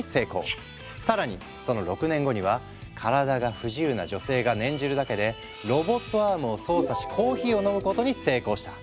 更にその６年後には体が不自由な女性が念じるだけでロボットアームを操作しコーヒーを飲むことに成功した。